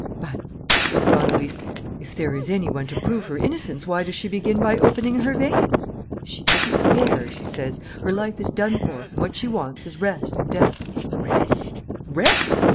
"But," said Don Luis, "if there is any one to prove her innocence, why does she begin by opening her veins?" "She doesn't care, she says. Her life is done for; and what she wants is rest and death." "Rest? Rest?